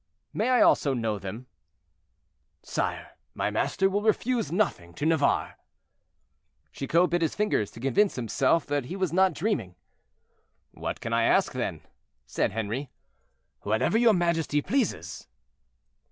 "May I also know them?" "Sire, my master will refuse nothing to Navarre." Chicot bit his fingers to convince himself that he was not dreaming. "What can I ask then?" said Henri. "Whatever your majesty pleases."